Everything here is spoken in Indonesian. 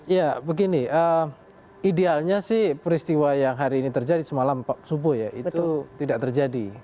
ya begini idealnya sih peristiwa yang hari ini terjadi semalam subuh ya itu tidak terjadi